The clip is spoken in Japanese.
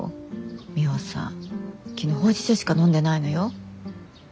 ミホさん昨日ほうじ茶しか飲んでないのよ。